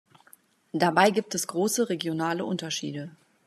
Dabei gibt es große regionale Unterschiede.